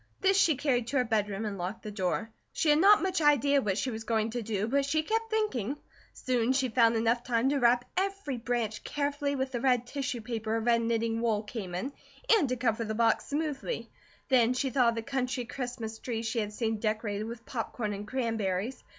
This she carried to her bedroom and locked the door. She had not much idea what she was going to do, but she kept thinking. Soon she found enough time to wrap every branch carefully with the red tissue paper her red knitting wool came in, and to cover the box smoothly. Then she thought of the country Christmas trees she had seen decorated with popcorn and cranberries.